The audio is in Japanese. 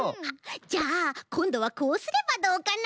じゃあこんどはこうすればどうかな？